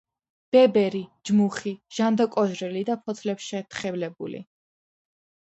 ბებერი, ჯმუხი, ტანდაკოჟრილი და ფოთლებშეთხელებული